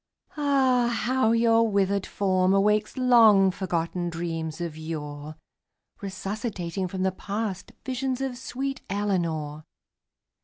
Ah, how your withered form awakes Long forgotten dreams of yore Resuscitating from the past Visions of sweet Eleanor!